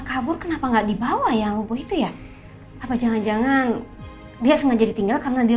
kabur kenapa enggak dibawa ya lumpuh itu ya apa jangan jangan dia sengaja ditinggal karena dia